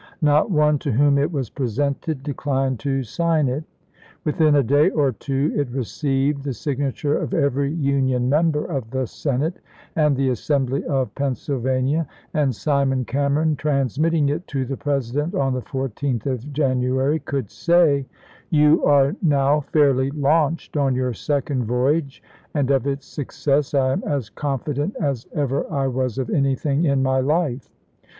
Not one to whom it was presented declined to sign it. Within a day or two it received the signature of every Union member of the Senate and the Assembly of Pennsylvania, and Simon Cameron, transmitting it to the President on the 14th of January, could say: "You are now fairly launched on your second voyage, and of its success I am as confident as ever I was of anything in my life.